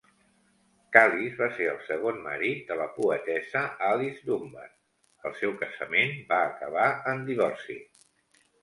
Callis va ser el segon marit de la poetessa Alice Dunbar; el seu casament va acabar en divorci.